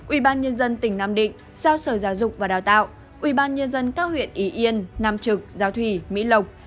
ubnd tỉnh nam định giao sở giáo dục và đào tạo ubnd các huyện ý yên nam trực giao thủy mỹ lộc